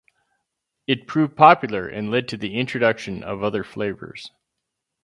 It proved popular and led to the introduction of other flavors.